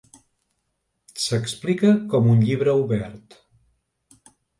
S'explica com un llibre obert.